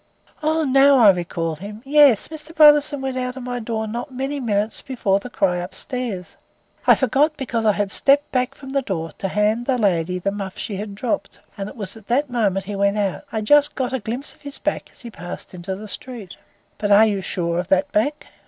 "Oh, now I recall him! Yes, Mr. Brotherson went out of my door not many minutes before the cry upstairs. I forgot because I had stepped back from the door to hand a lady the muff she had dropped, and it was at that minute he went out. I just got a glimpse of his back as he passed into the street." "But you are sure of that back?"